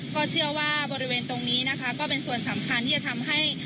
ก็เชื่อว่าบริเวณตรงนี้นะคะก็เป็นส่วนสำคัญที่จะทำให้